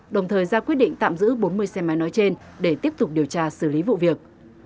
đồng thời ra quyết định tạm giữ bốn mươi xe máy nói trên để tiếp tục điều tra xử lý vụ việc